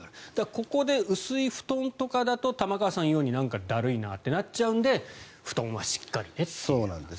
ここで薄い布団とかだと玉川さんが言うようになんかだるいなってなっちゃうので布団はしっかりねと。